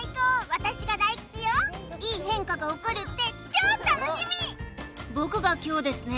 私が大吉よいい変化が起こるって超楽しみ僕が凶ですね